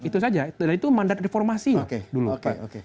itu saja dan itu mandat reformasi dulu